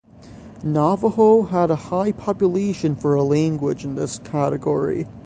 Navajo had a high population for a language in this category.